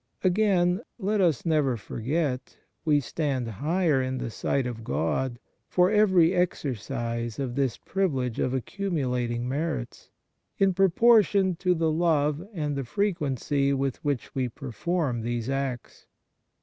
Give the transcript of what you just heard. Again, let us never forget, we stand higher in the sight of God, for every exercise of this privilege of accumulating merits, in pro portion to the love and the frequency with which we perform these acts.